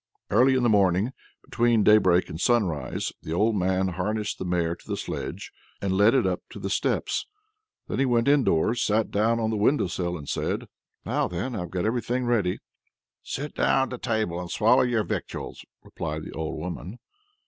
Early in the morning, between daybreak and sunrise, the old man harnessed the mare to the sledge, and led it up to the steps. Then he went indoors, sat down on the window sill, and said: "Now then! I've got everything ready." "Sit down to table and swallow your victuals!" replied the old woman.